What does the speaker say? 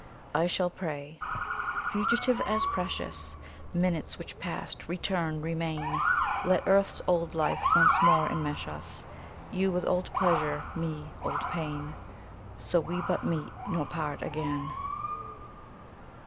I shall pray :" Fugitive as precious — Minutes which passed, — return, remain ! Let earth's old life once more enmesh us, You with old pleasure, me — old pain, So we but meet nor part again